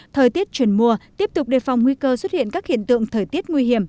thời tiết chuyển mùa tiếp tục đề phòng nguy cơ xuất hiện các hiện tượng thời tiết nguy hiểm